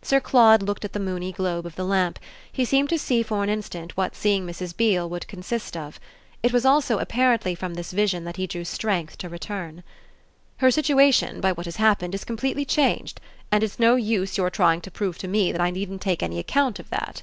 Sir Claude looked at the moony globe of the lamp; he seemed to see for an instant what seeing Mrs. Beale would consist of. It was also apparently from this vision that he drew strength to return: "Her situation, by what has happened, is completely changed; and it's no use your trying to prove to me that I needn't take any account of that."